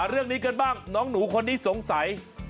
เรื่องนี้กันบ้างน้องหนูคนนี้สงสัย